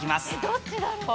どっちだろう？